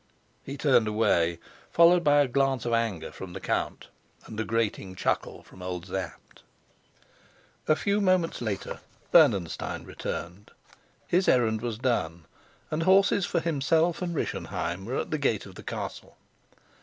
He turned away, followed by a glance of anger from the count and a grating chuckle from old Sapt. A few moments later Bernenstein returned. His errand was done, and horses for himself and Rischenheim were at the gate of the castle.